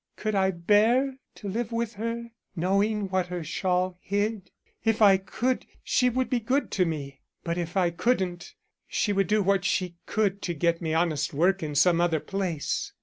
Could I bear to live with her, knowing what her shawl hid? If I could she would be good to me, but if I couldn't she would do what she could to get me honest work in some other place.